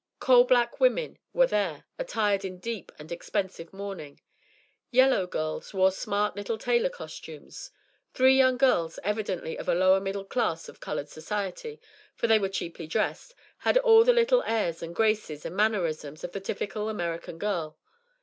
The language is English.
Coal black women were there, attired in deep and expensive mourning. "Yellow girls" wore smart little tailor costumes. Three young girls, evidently of the lower middle class of coloured society, for they were cheaply dressed, had all the little airs and graces and mannerisms of the typical American girl.